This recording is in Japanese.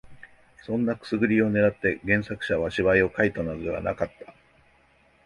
そんなくすぐりを狙って原作者は芝居を書いたのではなかった